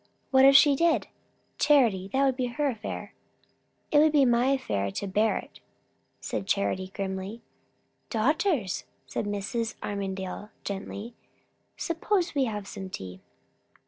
What if she did, Charity? That would be her affair." "It would be my affair to bear it," said Charity grimly. "Daughters," said Mrs. Armadale gently, "suppose we have some tea."